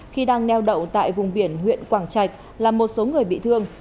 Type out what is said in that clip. khi đang neo đậu tại vùng biển huyện quảng trạch làm một số người bị thương